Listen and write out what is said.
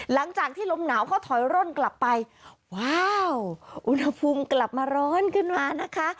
หลังจากที่ลมหนาวเขาถอยร่นกลับไปว้าวอุณหภูมิกลับมาร้อนขึ้นมานะคะ